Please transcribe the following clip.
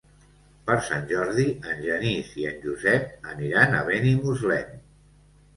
Per Sant Jordi en Genís i en Josep aniran a Benimuslem.